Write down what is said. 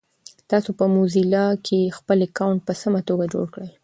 تاسو په موزیلا کې خپل اکاونټ په سمه توګه جوړ کړی؟